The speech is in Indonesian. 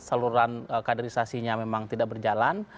saluran kaderisasinya memang tidak berjalan